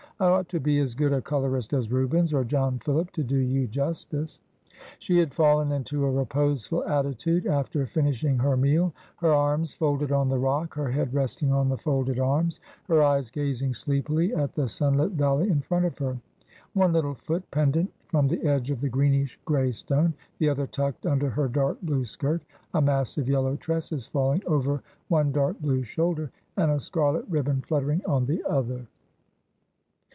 I ought to be as good a colourist as Rubens or John Phillip to do you justice.' She had fallen into a reposeful attitude after finishing her meal, her arms folded on the rock, her head resting on the folded arms, her eyes gazing sleepily at the sunlit valley in front of her, one little foot pendent from the edge of the greenish gray stone, the other tucked under her dark blue skirt, a mass of yellow tresses falling over one dark blue shoulder, and a scarlet ribbon fluttering on the other.